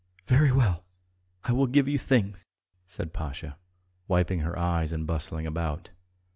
"Very well, I will give you things!" said Pasha, wiping her eyes and bustling about.